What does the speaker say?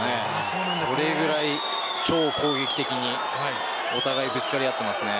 それぐらい超攻撃的にお互いぶつかり合っていますね。